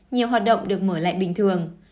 nhiều hoạt động được mở lại bình thường